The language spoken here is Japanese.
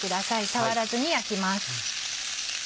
触らずに焼きます。